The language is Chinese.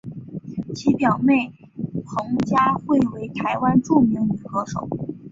其表妹彭佳慧为台湾著名女歌手。